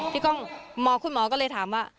พี่ก้องขอคุณหมอก็เลยถามว่า